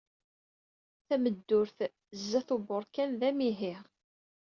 Tameddurt sdat uburkan d amihi.